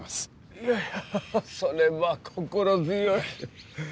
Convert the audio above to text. いやあそれは心強い。